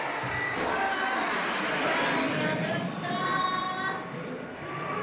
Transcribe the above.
ああバーに当たったあ